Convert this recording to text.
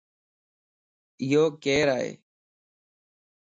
اھو ڪيرائي؟